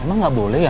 emang gak boleh ya